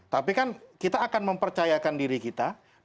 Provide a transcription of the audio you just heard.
tapi kan kita akan mempercayakan diri kita